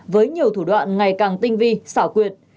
với nhiều thủ đoạn ngày càng tinh vi xảo quyệt